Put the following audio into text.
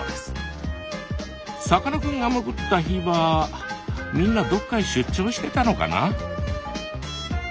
さかなクンが潜った日はみんなどこかへ出張してたのかな？